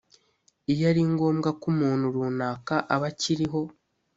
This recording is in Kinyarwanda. iyo ari ngombwa ko umuntu runaka aba akiriho